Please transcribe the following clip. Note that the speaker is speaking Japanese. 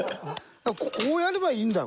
こうやればいいんだ！